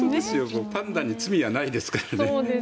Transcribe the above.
パンダに罪はないですからね。